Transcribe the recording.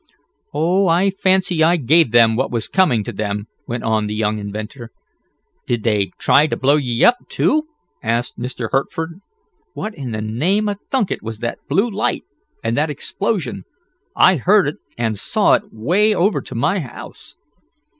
"Oh, I fancy I gave them what was coming to them," went on the young inventor. "Did they try to blow ye up, too?" asked Mr. Hertford. "What in th' name of Tunket was that blue light, and that explosion? I heard it an' saw it way over to my house."